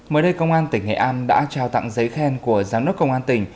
mới đây công an tỉnh nghệ an đã trao tặng giấy khen của giám đốc công an tỉnh